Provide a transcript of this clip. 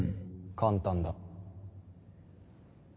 簡単だ。